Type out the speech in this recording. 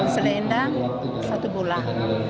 selendang satu bulan